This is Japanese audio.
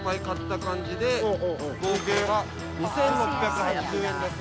合計が２，６８０円です。